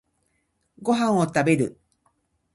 ご飯を食べる。